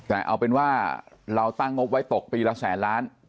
แต่เอาเป็นว่าเราตั้งงบไว้ตกปีละแสนล้าน